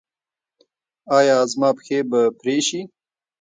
ایا زما پښې به پرې شي؟